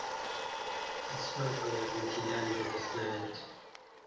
هیچمان بۆ یارمەتیدان لەدەست نایەت.